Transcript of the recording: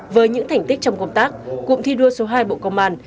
với những thành tích trong công tác cụm thi đua số hai bộ công an